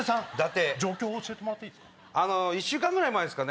状況教えてもらっていいですか？